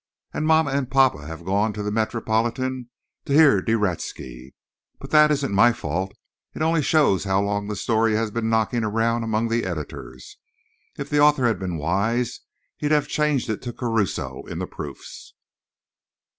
And mamma and papa have gone to the Metropolitan to hear De Reszke. But that isn't my fault. It only shows how long the story has been knocking around among the editors. If the author had been wise he'd have changed it to Caruso in the proofs."